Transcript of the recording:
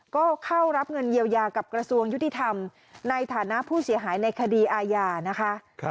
ก็เข้ารับเงินเยียวยากับกระทรวงยุติธรรมในฐานะผู้เสียหายในคดีอาญานะคะ